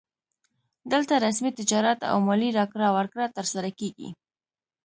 دلته رسمي تجارت او مالي راکړه ورکړه ترسره کیږي